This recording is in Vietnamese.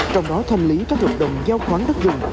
trong đó thanh lý các hợp đồng giao khoán đất dùng